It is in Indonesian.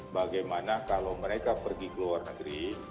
bagaimana kalau mereka pergi ke luar negeri